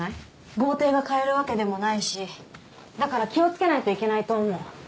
豪邸が買えるわけでもないしだから気をつけないといけないと思う